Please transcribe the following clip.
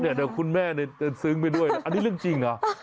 เดี๋ยวคุณแม่จะซึ้งไปด้วยอันนี้เรื่องจริงเหรอ